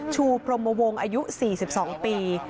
ชูพรมวงอายุ๔๒ปี